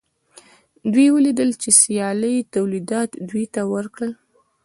دوی ولیدل چې سیالۍ تولیدات دوی ته ورکړل